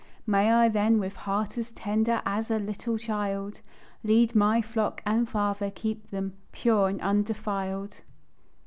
May I then with heart as tender As a little child Lead my flock; and Father, keep them Pure and undefiled.